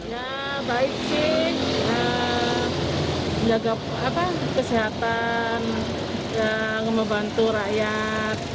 ya baik sih menjaga kesehatan membantu rakyat